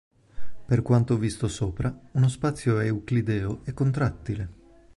Per quanto visto sopra, uno spazio euclideo è contrattile.